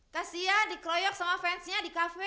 kasian dikroyok sama fansnya di kafe